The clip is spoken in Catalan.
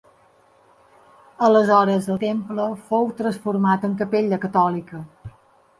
Aleshores el temple fou transformat en capella catòlica.